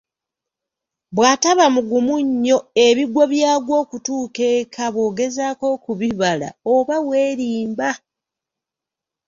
Bw’ataba mugumu nnyo ebigwo byagwa okutuuka eka bw'ogezaako okubibala oba weerimba!